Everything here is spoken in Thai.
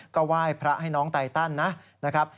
ก็ไหว้พระให้น้องไตตันนะครับ